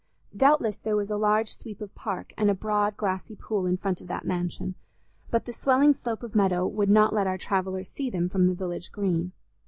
Doubtless there was a large sweep of park and a broad glassy pool in front of that mansion, but the swelling slope of meadow would not let our traveller see them from the village green.